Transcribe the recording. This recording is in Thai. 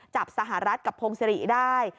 จับสหรัฐกับพงศรีได้